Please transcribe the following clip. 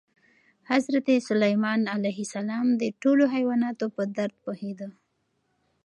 حضرت سلیمان علیه السلام د ټولو حیواناتو په درد پوهېده.